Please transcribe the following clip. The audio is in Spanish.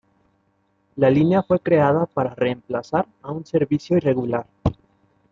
La línea fue creada para reemplazar a un servicio irregular.